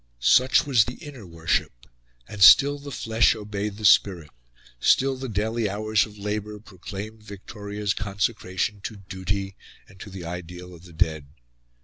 Such was the inner worship; and still the flesh obeyed the spirit; still the daily hours of labour proclaimed Victoria's consecration to duty and to the ideal of the dead.